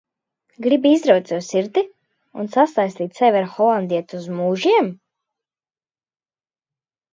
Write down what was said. Gribi izraut sev sirdi un sasaistīt sevi ar Holandieti uz mūžiem?